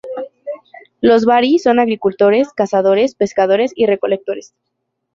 Los barí son agricultores, cazadores, pescadores y recolectores.